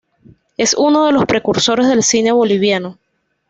Es uno de los precursores del cine boliviano.